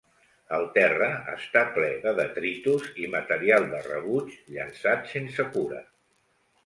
El terra està ple de detritus i material de rebuig llençat sense cura.